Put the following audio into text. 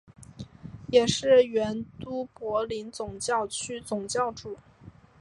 也是原都柏林总教区总主教。